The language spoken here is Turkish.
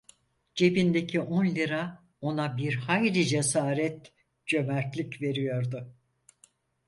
Cebindeki on lira ona bir hayli cesaret, cömertlik veriyordu.